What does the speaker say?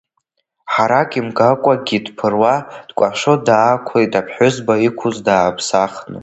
Харак имгакәагьы дԥыруа, дкәашо даақәлеит аԥҳәызба иқәыз дааԥсахны.